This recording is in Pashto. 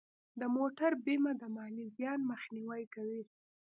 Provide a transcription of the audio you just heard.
د موټر بیمه د مالي زیان مخنیوی کوي.